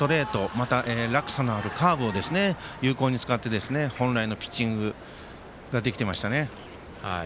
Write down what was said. また、落差のあるカーブを有効に使って本来のピッチングができていましたね。